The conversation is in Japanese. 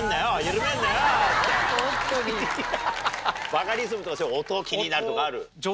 バカリズムとか音気になるとかある？